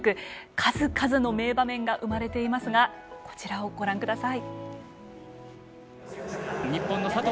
数々の名場面が生まれていますがこちらをご覧ください。